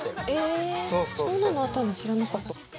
えそんなのあったんだ知らなかった。